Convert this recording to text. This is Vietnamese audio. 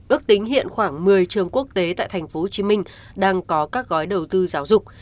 ước tính hiện khoảng một mươi trường quốc tế tại tp hcm đang có các gói đầu tư giáo dục